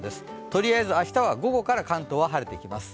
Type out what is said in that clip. とりあえず明日は午後から関東は晴れてきます。